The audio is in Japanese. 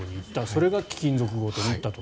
それが貴金属強盗に行ったと。